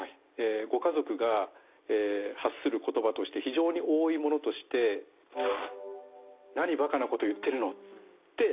ご家族が発する言葉として非常に多いものとして「何ばかなこと言ってるの！」ってつい言ってしまうわけですね。